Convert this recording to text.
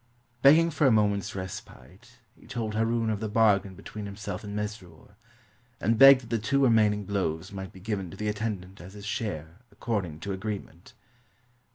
Begging for a moment's respite, he told Haroun of the bargain be tween himself and Mesrur, and begged that the two remaining blows might be given to the attendant as his share, according to agreement.